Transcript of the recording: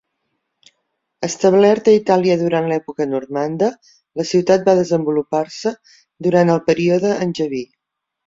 Establerta a Itàlia durant l'època normanda, la ciutat va desenvolupar-se durant el període angeví.